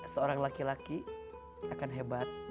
seorang laki laki akan hebat